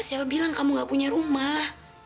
siapa bilang kamu gak punya rumah